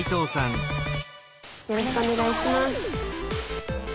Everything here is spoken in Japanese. よろしくお願いします。